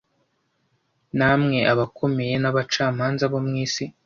Namwe abakomeye n abacamanza bo mu isi